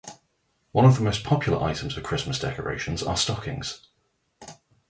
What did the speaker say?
One of the most popular items of Christmas decorations are stockings.